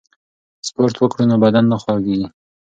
که سپورت وکړو نو بدن نه خوږیږي.